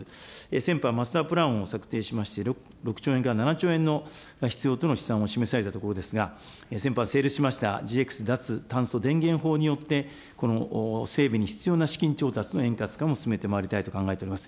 先般、増田プランを策定しまして、６兆円から７兆円の必要との試算を示されたところですが、先般、成立しましたＧＸ脱炭素電源法によって、この整備に必要な資金調達の円滑化も進めてまいりたいと考えております。